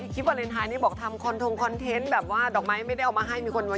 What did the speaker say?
ที่บารนไทนี้ถ้าทำคายเวลาดอกไม้ไม่ได้เอามาให้